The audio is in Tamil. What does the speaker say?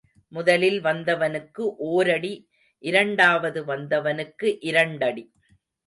முதலில் வந்தவனுக்கு ஓரடி இரண்டாவது வந்தவனுக்கு இரண்டடி.